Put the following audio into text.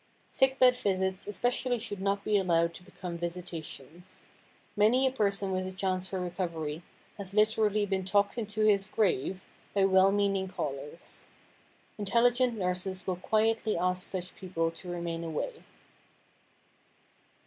Sick bed visits especially should not be allowed to become visitations. Many a person with a chance for recovery has literally been talked into his grave by well meaning callers. Intelligent nurses will quietly ask such people to remain away.